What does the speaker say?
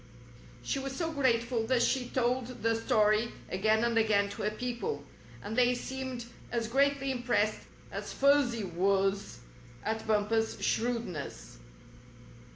She was so grateful that she told the story again and again to her people, and they seemed as greatly impressed as Fuzzy Wuzz at Bumper's shrewdness.